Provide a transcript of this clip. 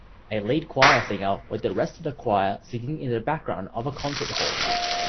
A lead choir singer with the rest of the choir singing in the background of a concert hall